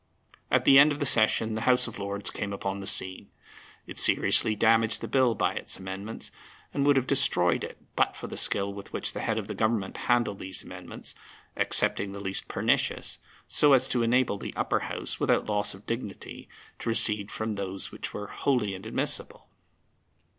At the end of the session the House of Lords came again upon the scene. It seriously damaged the Bill by its amendments, and would have destroyed it but for the skill with which the head of the Government handled these amendments, accepting the least pernicious, so as to enable the Upper House without loss of dignity to recede from those which were wholly inadmissible.